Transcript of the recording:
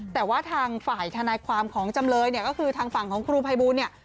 แต่ว่าทางฝ่ายทนายความของจำเลยเนี่ยก็คือทางฝั่งของครูภัยบูลเนี่ย